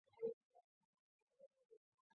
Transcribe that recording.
殿试登进士第三甲第一百三十九名。